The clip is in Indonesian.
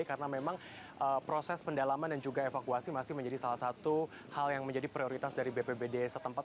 karena memang proses pendalaman dan juga evakuasi masih menjadi salah satu hal yang menjadi prioritas dari bppd setempat